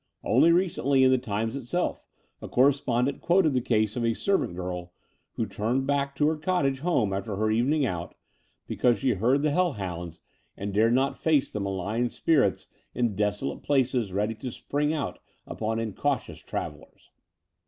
Only recently, in the Times itself, a correspondent quoted the case of a servant girl who turned back to her cottage home after her evening out, because she heard the The Dower House 249 hell hounds and dared not face the malign spirits in desolate places ready to spring out upon incautious travellers."